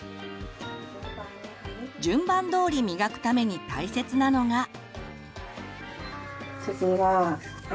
順番どおり磨くために大切なのが。